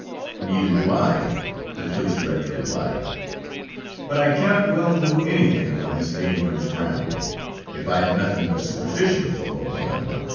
"Neither do I," the police director replied; "but I cannot well do anything on this dangerous ground, if I had nothing but superstitions to go upon.